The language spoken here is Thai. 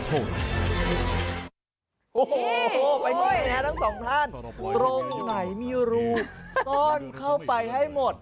ตรงไหนมีรูซ่อนเข้าไปให้หมด